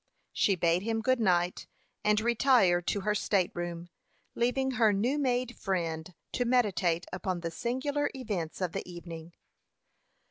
She bade him good night, and retired to her state room, leaving her new made friend to meditate upon the singular events of the evening.